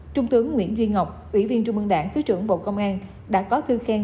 trung tướng nguyễn duy ngọc ủy viên trung mương đảng thứ trưởng bộ công an đã có thư khen